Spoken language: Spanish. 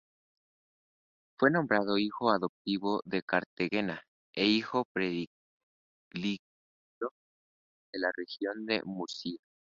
Fue nombrado hijo adoptivo de Cartagena e hijo predilecto de la Región de Murcia.